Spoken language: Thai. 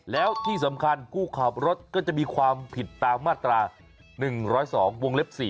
แล้วที่สำคัญผู้ขับรถก็จะมีความผิดตามมาตรา๑๐๒วงเล็บ๔